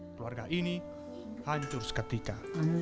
keluarga ini hancur seketika